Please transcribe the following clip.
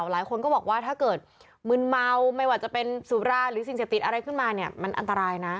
หลายคนก็บอกว่าถ้าเกิดมึนเมาไม่ว่าจะเป็นสุราหรือสิ่งเสพติดอะไรขึ้นมาเนี่ยมันอันตรายนะ